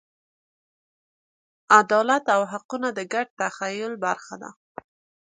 عدالت او حقونه د ګډ تخیل برخه ده.